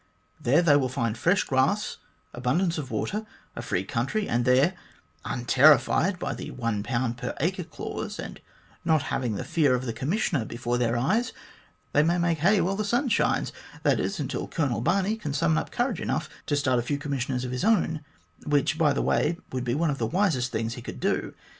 There they will find fresh grass, abundance of water, a free country, and there, uiiterrified by the 1 per acre clause, and not having the fear of the Commissioner before their eyes, they may make hay while the sun shines ; that is, until Colonel Barney can summon up courage enough to start a few Commissioners of his own ; which, by the way, would be one of the wisest things he could do.